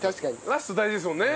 ラスト大事ですもんね。